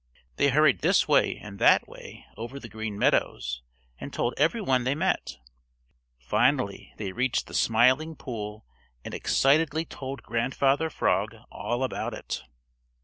They hurried this way and that way over the Green Meadows and told every one they met. Finally they reached the Smiling Pool and excitedly told Grandfather Frog all about it.